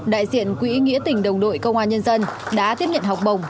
đại diện quỹ nghĩa tình đồng đội công an nhân dân đã tiếp nhận học bổng